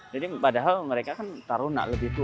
jadi padahal mereka kan taruh nak lebih tua